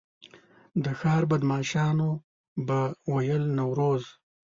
د ښار بدمعاشانو به ویل نوروز.